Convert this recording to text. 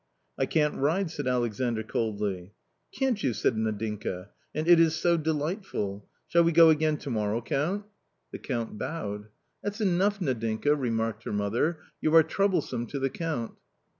" I can't ride," said Alexandr coldly. " Can't you ?" asked Nadinka, " and it is so delightful ! Shall we go again, to morrow, Count ?" A COMMON STORY 113 The Count bowed. " That's enough, Nadinka," remarked her mother, " you are troublesome to the Count."